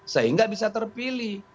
sehingga bisa terpilih